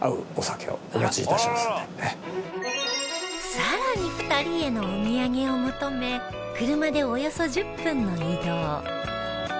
さらに２人へのお土産を求め車でおよそ１０分の移動